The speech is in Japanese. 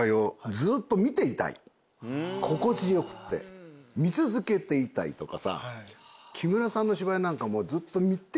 心地よくって見続けていたいとかさ。